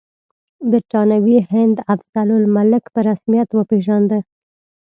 برټانوي هند افضل الملک په رسمیت وپېژانده.